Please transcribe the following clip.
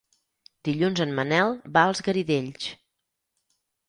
Dilluns en Manel va als Garidells.